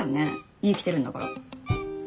家来てるんだから。